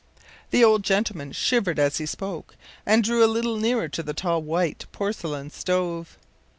” The old gentleman shivered as he spoke, and drew a little nearer to the tall white porcelain stove.